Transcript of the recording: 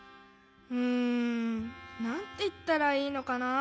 うんなんていったらいいのかな。